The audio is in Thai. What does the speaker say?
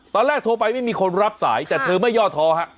ตอนแรกโทรไปไม่มีคนรับสายแต่เธอไม่ย่อท้อฮะ